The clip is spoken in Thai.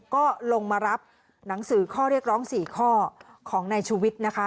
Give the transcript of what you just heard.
ก็ลงมารับหนังสือข้อเรียกร้อง๔ข้อของนายชุวิตนะคะ